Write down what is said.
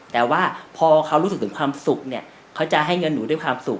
แต่ว่าพอเขารู้สึกถึงความสุขเนี่ยเขาจะให้เงินหนูด้วยความสุข